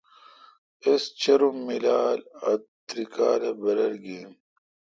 اس چِرم ام میلال ا تری کال برر گین۔